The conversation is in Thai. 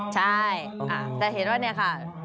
ใช่จะเห็นว่าเนี่ยค่ะ